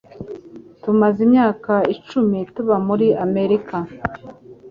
Tumaze imyaka icumi tuba muri Amerika.